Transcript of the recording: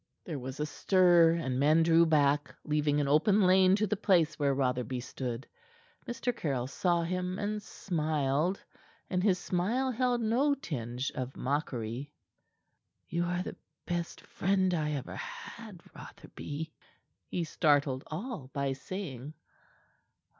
There was a stir, and men drew back, leaving an open lane to the place where Rotherby stood. Mr. Caryll saw him, and smiled, and his smile held no tinge of mockery. "You are the best friend I ever had, Rotherby," he startled all by saying.